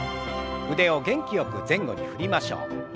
腕を元気よく前後に振りましょう。